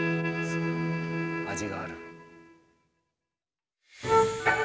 味がある。